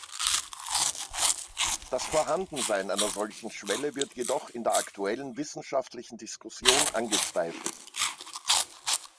Das Vorhandensein einer solchen Schwelle wird jedoch in der aktuellen wissenschaftlichen Diskussion angezweifelt.